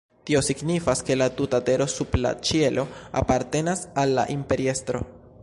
Tio signifas, ke la tuta tero sub la ĉielo apartenas al la imperiestro.